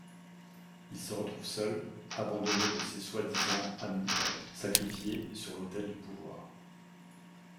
Il se retrouve seul, abandonné de ses soi-disant amis, sacrifié sur l'autel du pouvoir.